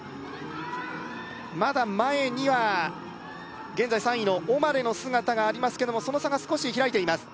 まだ前には現在３位のオマレの姿がありますけどもその差が少し開いています